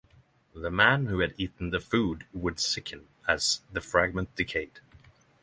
The man who had eaten the food would sicken as the fragment decayed.